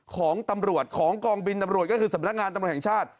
ของตำรวจของกองบินตำรวจก็คือสำนักงานตำรวจแห่งชาติ